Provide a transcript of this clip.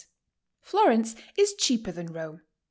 Florence is cheaper than Rome.